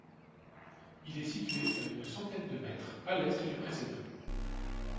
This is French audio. Il est situé à une centaine de mètres à l'est du précédent.